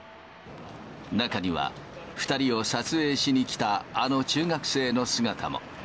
中には、２人を撮影しに来たあの中学生の姿も。